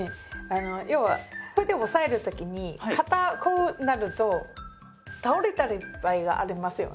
要はこうやって押さえる時に片方になると倒れたり場合がありますよね。